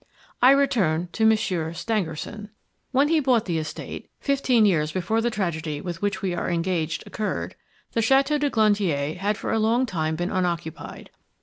I return to Monsieur Stangerson. When he bought the estate, fifteen years before the tragedy with which we are engaged occurred, the Chateau du Glandier had for a long time been unoccupied.